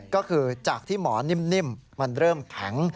ก็คือจากที่หมอนิ่มมันเริ่มแข็ง